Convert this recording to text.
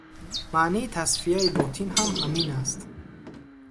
Маънии тасфияи ботин ҳам ҳамин аст.